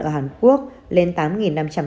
ở hàn quốc lên tám năm trăm tám mươi